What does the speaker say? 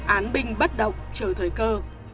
án binh bất động chờ thời cơ